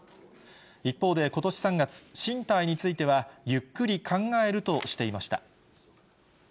一方で、ことし３月、進退については、ゆっくり考えるとしていました。